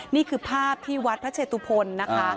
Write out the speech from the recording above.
นี่คือภาพที่วัดพระเชตุพลนะคะ